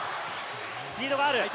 スピードがある。